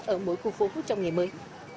ở mỗi khu phố trong ngày mới